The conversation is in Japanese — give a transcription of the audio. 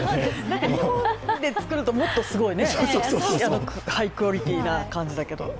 日本で作るともっとすごいハイクオリティーな感じだけど。